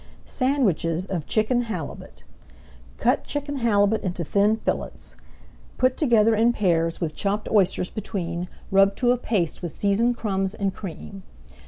SANDWICHES OF CHICKEN HALIBUT Cut chicken halibut into thin fillets. Put together in pairs with chopped oysters between, rubbed to a paste with seasoned crumbs and cream.